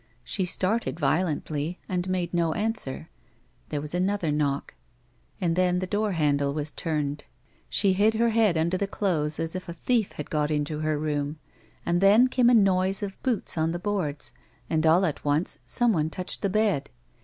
She started violently, and made no answer ; there was another knock, and then the door handle was turned. She hid her head under the clothes as if a thief had got into her room, and then came a noise of boots on the boards, and all at once some one touched the bed.